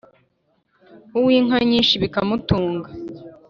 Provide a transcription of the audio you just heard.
uw’inka nyinshi bikamutunga